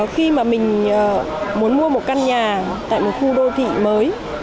khi mà mình muốn mua một căn nhà tại một khu đô thị mới